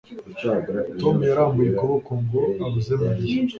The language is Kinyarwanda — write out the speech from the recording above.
Tom yarambuye ukuboko ngo abuze Mariya